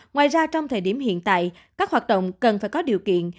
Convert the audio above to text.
ngoài ra trong thời điểm hiện tại các hoạt động cần phải có điều kiện